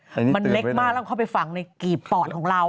คุณผู้ชายลำคาเราก็เข้าไปฟังในกีบปอดของเรา